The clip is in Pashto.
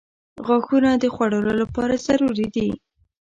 • غاښونه د خوړلو لپاره ضروري دي.